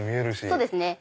そうですね。